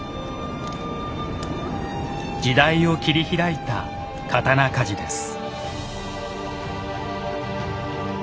時代を切り開いた刀鍛冶です。